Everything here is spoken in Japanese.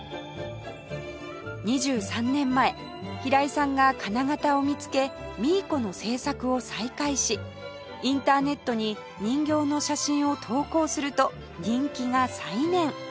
２３年前平井さんが金型を見つけミーコの制作を再開しインターネットに人形の写真を投稿すると人気が再燃